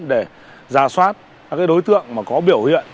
để ra soát đối tượng có biểu hiện